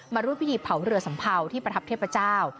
มาร่วมพิธีเผาเรือสัมเภาที่ประทับเทพเจ้า